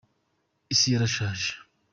isi yarashaje